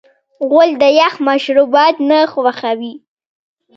غول د یخ مشروبات نه خوښوي.